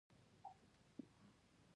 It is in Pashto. شېخ حمید لومړی لودي پاچا وو.